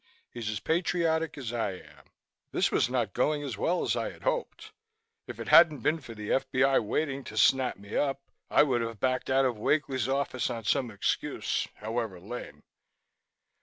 He's as patriotic as I am." This was not going as well as I had hoped. If it hadn't been for the F.B.I. waiting to snap me up, I would have backed out of Wakely's office on some excuse, however lame.